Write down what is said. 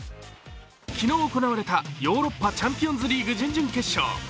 昨日行われたヨーロッパチャンピオンズリーグ準々決勝。